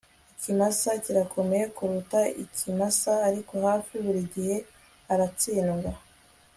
ikimasa kirakomeye kuruta ikimasa, ariko hafi buri gihe aratsindwa. (lukaszpp